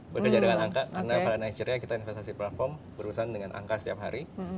berkerja dengan angka karena karenanya ceria kita investasi platform berurusan dengan angka setiap hari